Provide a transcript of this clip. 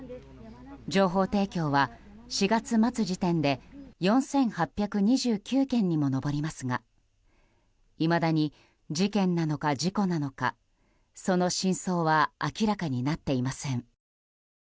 情報提供は４月末時点で４８２９件にも上りますがいまだに事件なのか事故なのかその真相は明らかになっていません。